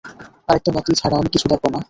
আরেকটা বাতি ছাড়া আমি কিছু দেখব না।